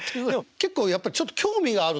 結構やっぱりちょっと興味があるんですよ。